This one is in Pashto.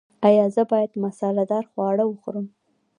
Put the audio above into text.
ایا زه باید مساله دار خواړه وخورم؟